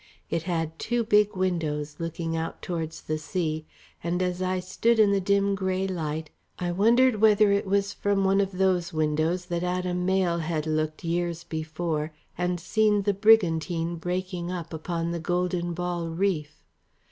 It had two big windows looking out towards the sea, and as I stood in the dim grey light, I wondered whether it was from one of those windows that Adam Mayle had looked years before, and seen the brigantine breaking up upon the Golden Ball Reef.